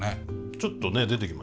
ちょっとね出てきましたね。